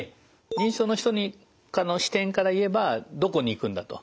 認知症の人の視点から言えば「どこに行くんだ」と。